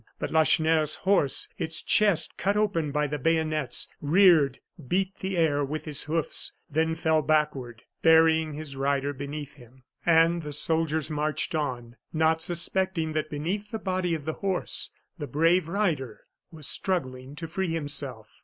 But Lacheneur's horse, its chest cut open by the bayonets, reared, beat the air with his hoofs, then fell backward, burying his rider beneath him. And the soldiers marched on, not suspecting that beneath the body of the horse the brave rider was struggling to free himself.